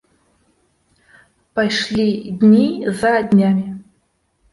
Пайшлі дні за днямі.